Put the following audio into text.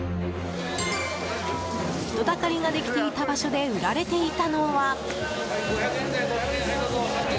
人だかりができていた場所で売られていたのは。